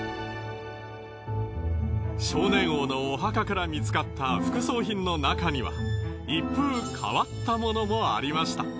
少年王のお墓から見つかった副葬品の中には一風変わったものもありました。